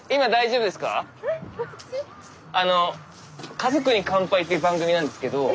「家族に乾杯」っていう番組なんですけど。